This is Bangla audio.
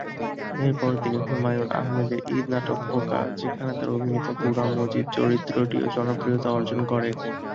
এরপর তিনি হুমায়ূন আহমেদের ঈদ নাটক "পোকা", যেখানে তার অভিনীত "গোরা মজিদ" চরিত্রটি জনপ্রিয়তা অর্জন করে।